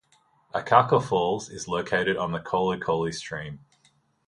Akaka Falls is located on Kolekole Stream.